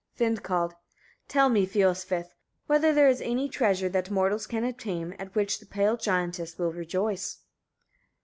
Vindkald. 30. Tell me, Fiolsvith! etc., whether there is any treasure, that mortals can obtain, at which the pale giantess will rejoice?